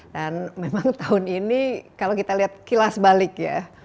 dan memang tahun ini kalau kita lihat kilas balik ya